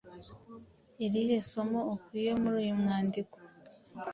irihe somo ukuye muri uyu mwandiko?